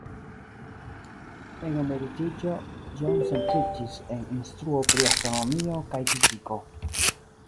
En emeritiĝo, John centriĝis en instruo pri astronomio kaj fiziko.